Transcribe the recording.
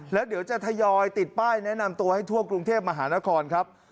แล้วเดี๋ยวจะทยอยติดป้ายแนะนำตัวให้ทั่วกรุงเทพมหานครครับ